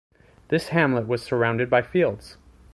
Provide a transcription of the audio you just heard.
This hamlet was surrounded by fields.